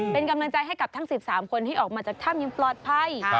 เป็นกำลังใจให้กับทั้ง๑๓คนที่ออกมาจากถ้ำอย่างปลอดภัย